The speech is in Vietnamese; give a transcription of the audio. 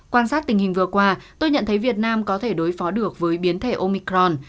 quan sát tình hình vừa qua tôi nhận thấy việt nam có thể đối phó được với biến thể omicron